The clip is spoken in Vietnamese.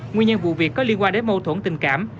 nguyên nhân vụ việc có liên quan đến mâu thuẫn tình cảm